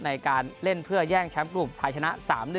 ในการเล่นเพื่อแย่งแชมป์กลุ่มไทยชนะ๓๑